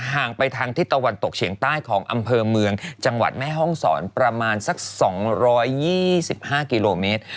ห่างไปทางทิศตะวันตกเฉียงใต้ของอำเภอเมืองจังหวัดแม่ห้องศรประมาณสัก๒๒๕กิโลเมตร